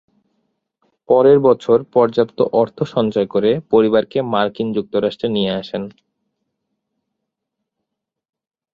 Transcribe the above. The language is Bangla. পরের বছর পর্যাপ্ত অর্থ সঞ্চয় করে পরিবারকে মার্কিন যুক্তরাষ্ট্রে নিয়ে আসেন।